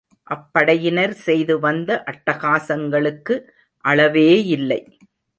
அப்படையினர் செய்து வந்த அட்டகாசங்களுக்கு அளவேயில்லை.